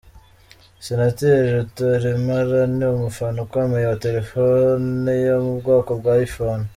Senateri Rutaremara ni umufana ukomeye wa telefone yo mu bwoko bwa iPhone.